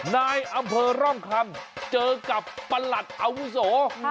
นายอำเภอร่องคำเจอกับประหลัดอาวุโส